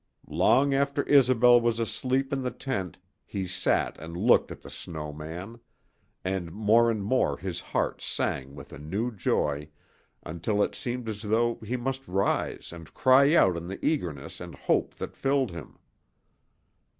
Long after Isobel was asleep in the tent he sat and looked at the snow man; and more and more his heart sang with a new joy, until it seemed as though he must rise and cry out in the eagerness and hope that filled him.